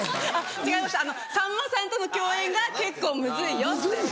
違いますさんまさんとの共演が結構むずいよって。